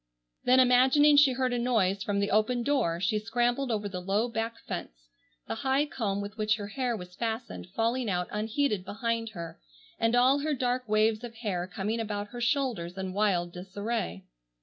Then imagining she heard a noise from the open door, she scrambled over the low back fence, the high comb with which her hair was fastened falling out unheeded behind her, and all her dark waves of hair coming about her shoulders in wild disarray.